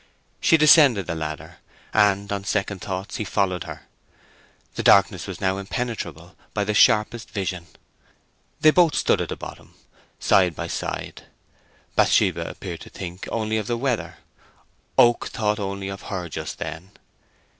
She descended the ladder, and, on second thoughts, he followed her. The darkness was now impenetrable by the sharpest vision. They both stood still at the bottom, side by side. Bathsheba appeared to think only of the weather—Oak thought only of her just then.